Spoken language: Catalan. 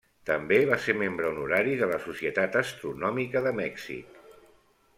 També va ser membre honorari de la Societat Astronòmica de Mèxic.